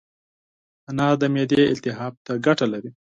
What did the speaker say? انار د معدې التهاب ته فایده لري.